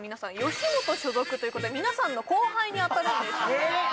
吉本所属ということで皆さんの後輩に当たるんですえっ